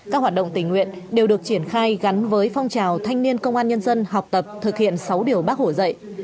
các hoạt động tình nguyện đều được triển khai gắn với phong trào thanh niên công an nhân dân học tập thực hiện sáu điều bác hồ dạy